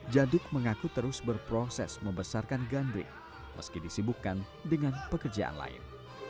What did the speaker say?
jaduk mengaku terus berproses membesarkan gandrik meski disibukkan dengan pekerjaan lain